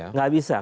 nggak bisa ya